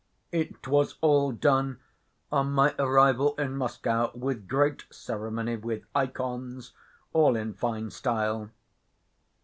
It was all done on my arrival in Moscow, with great ceremony, with ikons, all in fine style.